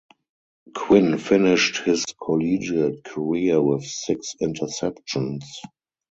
Quinn finished his collegiate career with six interceptions.